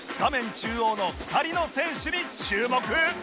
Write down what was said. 中央の２人の選手に注目